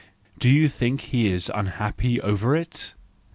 Do you think he is unhappy over it?